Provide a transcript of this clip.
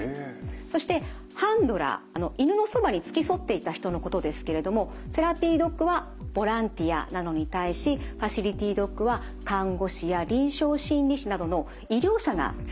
そしてハンドラー犬のそばに付き添っていた人のことですけれどもセラピードッグはボランティアなのに対しファシリティドッグは看護師や臨床心理士などの医療者がつきます。